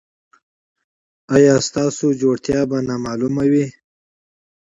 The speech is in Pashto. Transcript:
ایا ستاسو روغتیا به تضمین نه وي؟